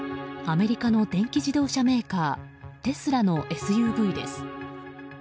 アメリカの電気自動車メーカーテスラのＳＵＶです。